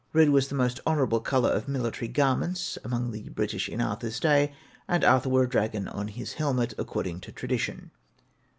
Red was the most honourable colour of military garments among the British in Arthur's day; and Arthur wore a dragon on his helmet, according to tradition.